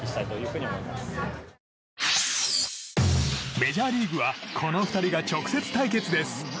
メジャーリーグはこの２人が直接対決です。